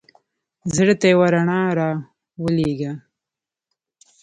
زړه ته یوه رڼا را ولېږه.